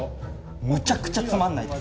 むちゃくちゃつまんないです。